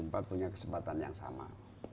punya kesempatan yang sama